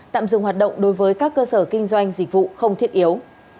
tạm dừng hoạt động đối với các cơ sở kinh doanh dịch vụ không thiết yếu